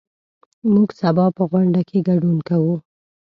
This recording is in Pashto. موږ سبا په غونډه کې ګډون کوو.